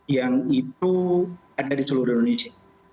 yang itu ada di seluruh indonesia